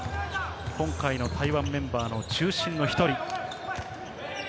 今回の台湾メンバーの中心のひとり。